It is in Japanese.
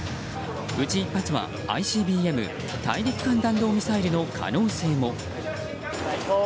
うち１発はＩＣＢＭ・大陸間弾道ミサイルの可能性も。